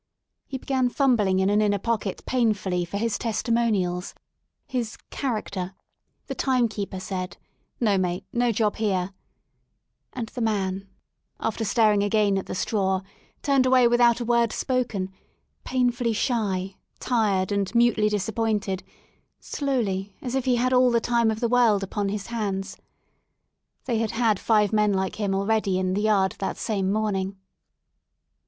He began fumbling in an inner pocket painfully for his testimonials^ his '* character/* The timekeeper said, *'No, mate, no job here/' and the man, after staring again at the straw, turned away without a word spoken^ painfully shy, tired, and mutely disappointed, slowly as if he had all the time of the world upon his 107 THE SOUL OF LONDON hands. They had had five men like him already in the yard that same morning.